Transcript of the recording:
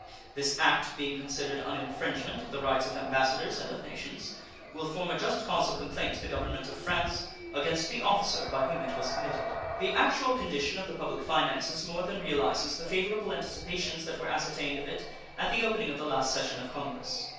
This act, being considered an infringement of the rights of ambassadors and of nations, will form a just cause of complaint to the Government of France against the officer by whom it was committed. The actual condition of the public finances more than realizes the favorable anticipations that were entertained of it at the opening of the last session of Congress.